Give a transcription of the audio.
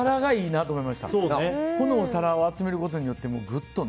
このお皿を集めることによってぐっとね。